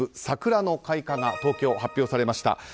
桜の開花が東京発表されました。